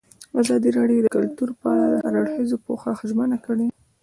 ازادي راډیو د کلتور په اړه د هر اړخیز پوښښ ژمنه کړې.